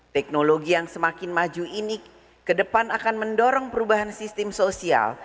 teknologi yang semakin maju ini ke depan akan mendorong perubahan sistem sosial